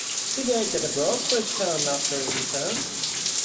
He worked at a brokerage firm after his return.